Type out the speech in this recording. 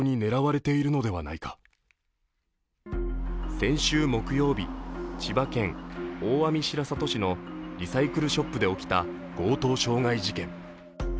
先週木曜日、千葉県大網白里市のリサイクルショップで起きた強盗傷害事件。